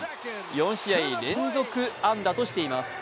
４試合連続安打としています。